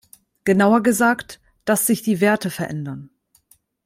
Genauer gesagt, dass sich die Werte verändern.